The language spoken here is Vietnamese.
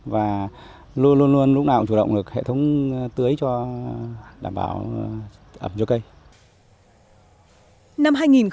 và luôn luôn luôn lúc nào cũng chủ động được hệ thống tưới cho huyện